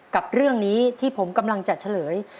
กับเรื่องนี้ที่ผมกำลังจะเฉลย